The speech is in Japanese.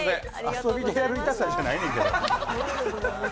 遊びでやる痛さやないねんて。